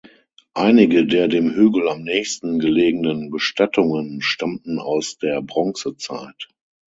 Einige der dem Hügel am nächsten gelegenen Bestattungen stammten aus der Bronzezeit.